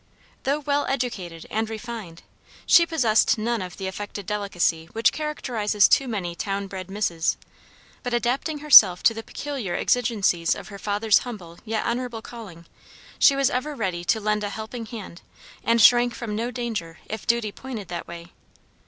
Though well educated and refined, she possessed none of the affected delicacy which characterizes too many town bred misses, but, adapting herself to the peculiar exigencies of her father's humble yet honorable calling, she was ever ready to lend a helping hand, and shrank from no danger if duty pointed that way.